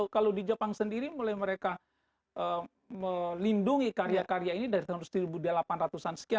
kalau di jepang sendiri mulai mereka melindungi karya karya ini dari tahun seribu delapan ratus an sekian